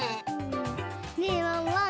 ねえワンワン